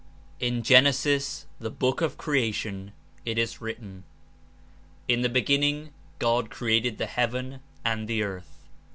In Genesis, the book of creation, it is written: '7« the beginning God created the heaven and the earth.